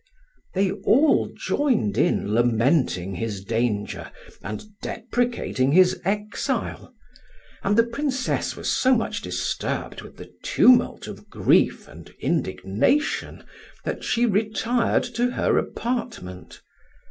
They all joined in lamenting his danger and deprecating his exile; and the Princess was so much disturbed with the tumult of grief and indignation that she retired to her apartment.